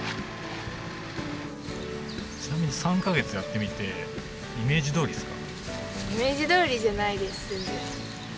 ちなみに３カ月やってみてイメージどおりですか？